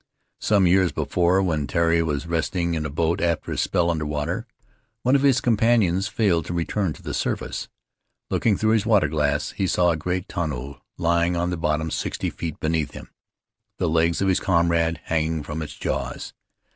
Some years before, when Tari was resting in a boat after a spell under water, one of his companions failed to return to the surface. Looking through his water glass, he saw a great tonu lying on the bottom, sixty feet beneath him — the legs of his comrade hanging from its jaws.